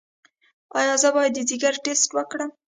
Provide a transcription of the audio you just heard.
ایا زه باید د ځیګر ټسټ وکړم؟